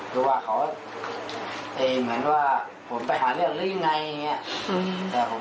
คือว่าเขาเหมือนว่าผมไปหาเรื่องหรือยังไงอย่างนี้